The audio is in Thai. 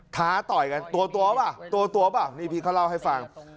ท้าต่อยกันตัวบ้างนี่พี่เขาเล่าให้ฟัง